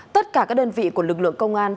tất cả các đơn vị của lực lượng công an